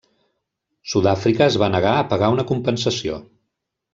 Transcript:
Sud-àfrica es va negar a pagar una compensació.